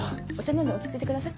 飲んで落ち着いてください。